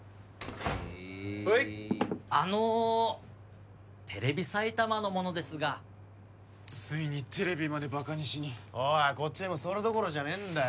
へいはいあのテレビ埼玉の者ですがついにテレビまでバカにしにおいこっちは今それどころじゃねえんだよ